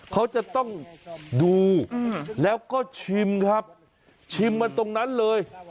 เขาจะต้องดูแล้วก็ชิมครับชิมมาตรงนั้นเลย